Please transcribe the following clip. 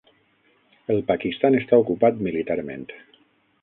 El Pakistan està ocupat militarment.